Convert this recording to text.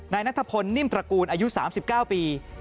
นายนัทพลนิ่มตระกูลอายุ๓๙ปี